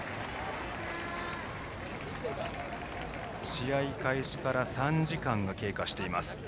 試合開始から３時間が経過しています。